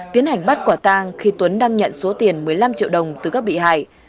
tiến hành bắt quả tang khi tuấn đang nhận số tiền một mươi năm triệu đồng từ các bị hại